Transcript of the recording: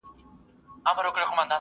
لوی اسټروېډونه د خطر کم احتمال لري.